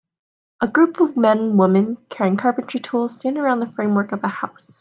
A group of men women carrying carpentry tools stand around the framework of a house